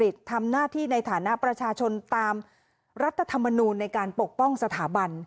ทำหน้าที่ในฐานะประชาชนตามรัฐธรรมนูลในการปกป้องสถาบัน